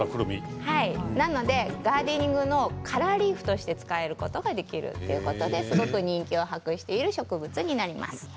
なのでガーデニングの、カラーリーフとして使うことができるということですごく人気を博している植物になります。